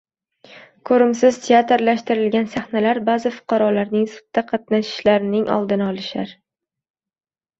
Ko‘rimsiz «teatrlashtirilgan» sahnalar, ba’zi fuqarolarning «sudda qatnashishining oldini olishlar»